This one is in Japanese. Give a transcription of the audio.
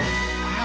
あ。